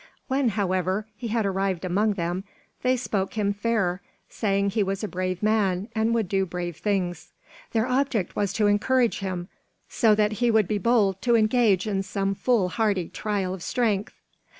When, however, he had arrived among them, they spoke him fair, saying he was a brave man and would do brave things. Their object was to encourage him, so that he would be bold to engage in some foolhardy trial of strength.